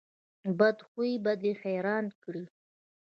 بد خوی به دې حیران کړي.